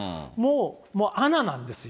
もうアナなんですよ。